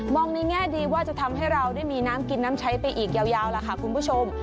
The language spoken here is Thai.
ในแง่ดีว่าจะทำให้เราได้มีน้ำกินน้ำใช้ไปอีกยาวล่ะค่ะคุณผู้ชม